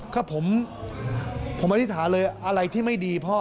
ก็ผมอธิษฐานเลยอะไรที่ไม่ดีพ่อ